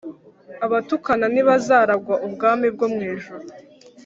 Abatukana Ntibazaragwa Ubwami Bwo mwijuru